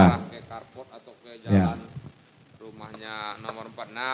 kayak karpot atau kayak jalan rumahnya nomor empat puluh enam